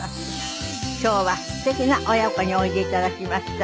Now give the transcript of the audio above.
今日はすてきな親子においで頂きました。